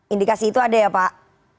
indikasi itu ada ya pak